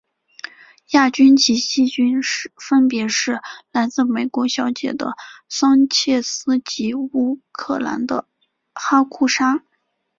亚军及季军分别是来自美国小姐的桑切斯及乌克兰的哈库沙。